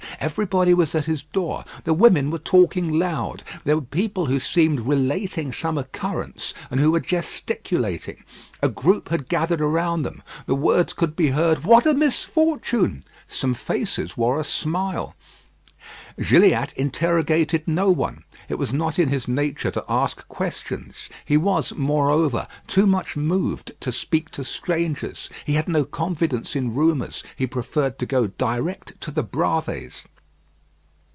Everybody was at his door. The women were talking loud. There were people who seemed relating some occurrence and who were gesticulating. A group had gathered around them. The words could be heard, "What a misfortune!" Some faces wore a smile. Gilliatt interrogated no one. It was not in his nature to ask questions. He was, moreover, too much moved to speak to strangers. He had no confidence in rumours. He preferred to go direct to the Bravées.